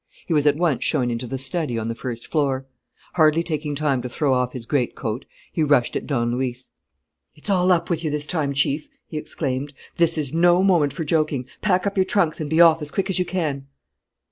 He was at once shown into the study on the first floor. Hardly taking time to throw off his great coat, he rushed at Don Luis: "It's all up with you this time, Chief!" he exclaimed. "This is no moment for joking: pack up your trunks and be off as quick as you can!"